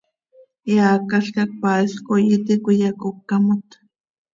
Eaacalca cpaaisx coi íti cöiyacócamot.